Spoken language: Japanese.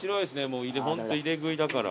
もうホント入れ食いだから。